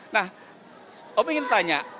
nah om ingin tanya